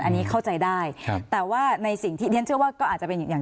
อันนี้เข้าใจได้แต่ว่าในสิ่งที่เรียนเชื่อว่าก็อาจจะเป็นอย่าง